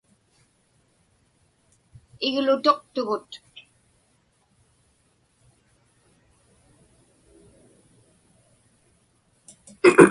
Iglutuqtugut.